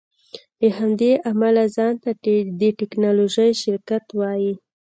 له همدې امله ځان ته د ټیکنالوژۍ شرکت وایې